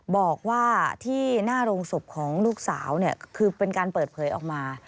บอกว่าที่หน้าโรงศพของลูกสาวคือเป็นการเปิดเผยออกมา